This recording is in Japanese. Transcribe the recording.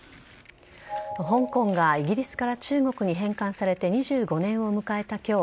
香港がイギリスから中国に返還されて２５年を迎えた今日